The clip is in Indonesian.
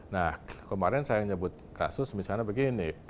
nah kemarin saya nyebut kasus misalnya begini